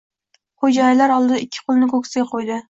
Xo’jayinlar oldida ikki qo’lini ko’ksiga qo’ydi.